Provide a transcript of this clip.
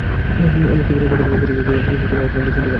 এমনকি ফেরেশতাগণ কুকুরের ঘেউ ঘেউ ও মুরগীর আওয়াজ পর্যন্ত শুনতে পান।